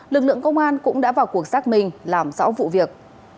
lực lượng công an cũng đã vào cuộc xác minh làm rõ vụ việc